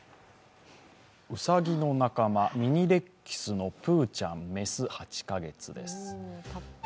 うさぎの仲間ミニレッキスのぷうちゃん、８カ月。